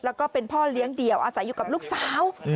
แล้วก็เป็นพ่อเลี้ยงเดี่ยวอาศัยอยู่กับลูกสาว